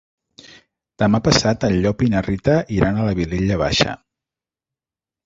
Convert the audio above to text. Demà passat en Llop i na Rita iran a la Vilella Baixa.